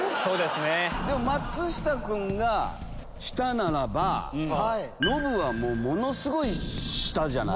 松下君が下ならばノブはものすごい下じゃない？